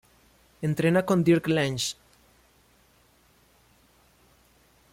Entrena con Dirk Lange.